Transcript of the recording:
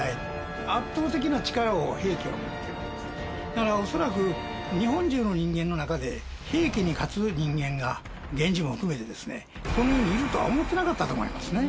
だから恐らく日本中の人間の中で平家に勝つ人間が源氏も含めてですねこの世にいるとは思ってなかったと思いますね。